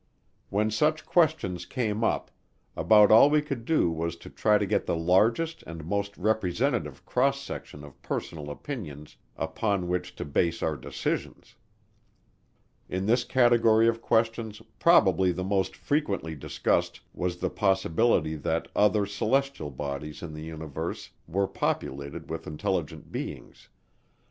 When such questions came up, about all we could do was to try to get the largest and most representative cross section of personal opinions upon which to base our decisions. In this category of questions probably the most frequently discussed was the possibility that other celestial bodies in the universe were populated with intelligent beings.